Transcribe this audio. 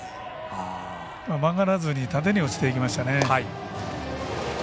曲がらずに縦に落ちていきましたね。